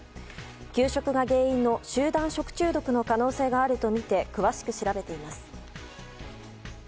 給食が原因の集団食中毒の可能性があるとみて詳しく調べています。